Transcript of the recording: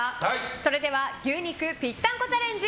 それでは牛肉ぴったんこチャレンジ